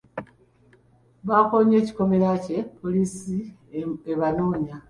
Baakoonye ekikomera kye poliisi ebanoonya.